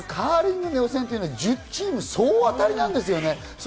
カーリングの予選は１０チーム総当たりなんですよね。